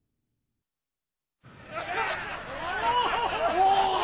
お！